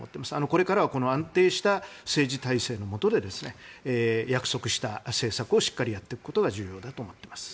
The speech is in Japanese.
これからはこの安定した政治体制のもとで約束した政策をしっかりやっていくことが重要だと思っています。